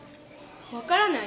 わからない？